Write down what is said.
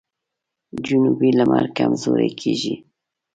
جنوبي لمر کمزوری کیږي.